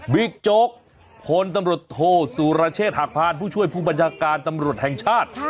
โจ๊กพลตำรวจโทษสุรเชษฐหักพานผู้ช่วยผู้บัญชาการตำรวจแห่งชาติ